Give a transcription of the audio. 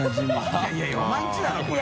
いやいやいやお前んちだろこれ。